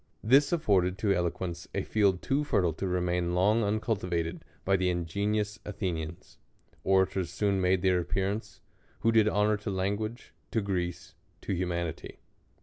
This afforded to eloquence a field too fertile to remain long uncultiva ted by the ingenious Athenians. Orators soon made their appearance, who did honor to language, to Greece, to humanity.